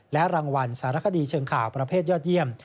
และรางวัลสารคดีเชิงข่าวประเภทยอดเยี่ยม